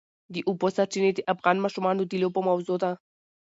د اوبو سرچینې د افغان ماشومانو د لوبو موضوع ده.